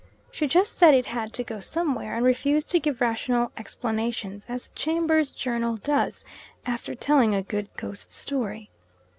She just said "it had to go somewhere," and refused to give rational explanations as Chambers's Journal does after telling a good ghost story.